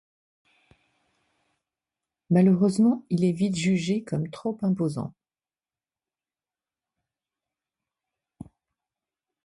Malheureusement, il est vite jugé comme trop imposant.